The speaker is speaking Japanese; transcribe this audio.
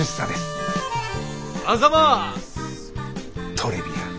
トレビアン。